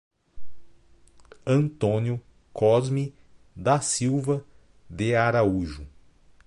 Antônio Cosme da Silva de Araújo